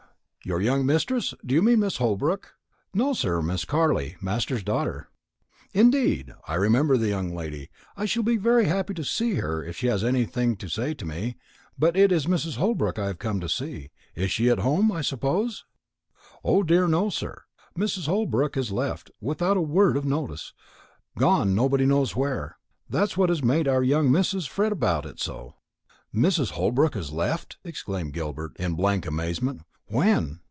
"Your young mistress; do you mean Mrs. Holbrook?" "No, sir; Miss Carley, master's daughter." "Indeed! I remember the young lady; I shall be very happy to see her if she has anything to say to me; but it is Mrs. Holbrook I have come to see. She is at home, I suppose?" "O dear no, sir; Mrs. Holbrook has left, without a word of notice, gone nobody knows where. That is what has made our young missus fret about it so." "Mrs. Holbrook has left!" Gilbert exclaimed in blank amazement; "when?"